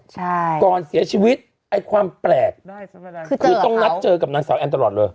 ใช่ก่อนเสียชีวิตไอ้ความแปลกคือคือต้องนัดเจอกับนางสาวแอนตลอดเลย